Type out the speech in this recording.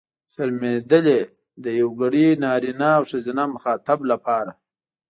شرمېدلې! د یوګړي نرينه او ښځينه مخاطب لپاره.